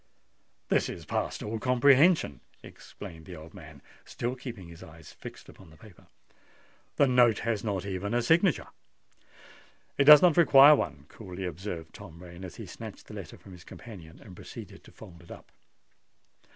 "This is past all comprehension," exclaimed the old man, still keeping his eyes fixed upon the paper. "The note has not even a signature." "It does not require one," coolly observed Tom Rain, as he snatched the letter from his companion, and proceeded to fold it up.